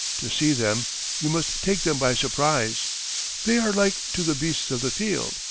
To see them, you must take them by surprise. They are like to the beasts of the field.